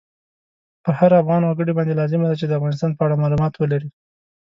په هر افغان وګړی باندی لازمه ده چی د افغانستان په اړه مالومات ولری